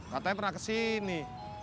katanya pernah kesini